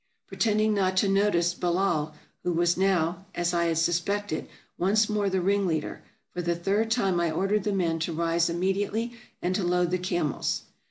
Pretending not to notice Bellaal, who was now, as I had suspected, once more the ringleader, for the third time I ordered the men to rise immediately, and to load the camels.